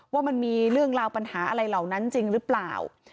ว่ามันมีเรื่องราวปัญหาอะไรเหล่านั้นจริงหรือเปล่า